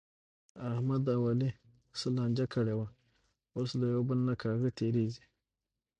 احمد او علي څه لانجه کړې وه، اوس یو له بل نه کاږه تېرېږي.